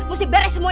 mesti beres semuanya